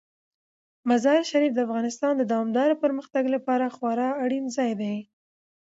مزارشریف د افغانستان د دوامداره پرمختګ لپاره خورا اړین ځای دی.